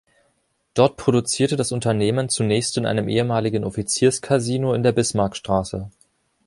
Dort produzierte das Unternehmen zunächst in einem ehemaligen Offizierskasino in der Bismarckstraße.